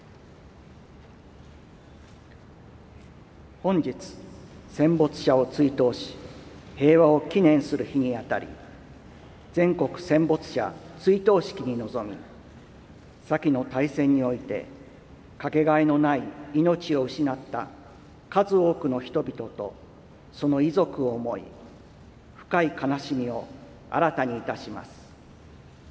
本日、戦没者を追悼し平和を祈念する日に当たり全国戦没者追悼式に臨み、さきの大戦においてかけがえのない命を失った数多くの人々とその遺族を思い、深い悲しみを新たにいたします。